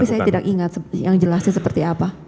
tapi saya tidak ingat yang jelasnya seperti apa